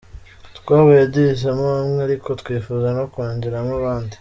Twabaye duhisemo bamwe ariko twifuza no kongeramo abandi.